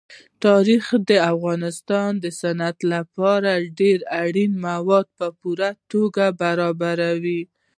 تاریخ د افغانستان د صنعت لپاره ډېر اړین مواد په پوره توګه برابروي.